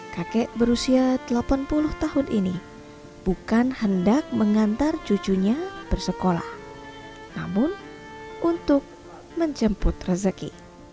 kakek berusia delapan puluh tahun ini bukan hendak mengantar cucunya bersekolah namun untuk menjemput rezeki